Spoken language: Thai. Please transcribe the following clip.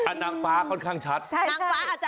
นางฟ้าค่อนข้างชัดใช่นางฟ้าอาจจะ